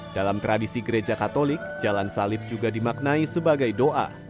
dalam tradisi gereja katolik jalan salib juga dimaknai sebagai doa